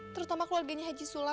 terutama keluarganya haji sulam